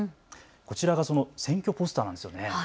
こちらがその選挙ポスターなんですよね。